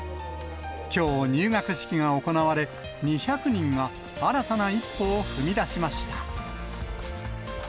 きょう、入学式が行われ、２００人が新たな一歩を踏み出しました。